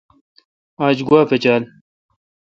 آج گوا پچال۔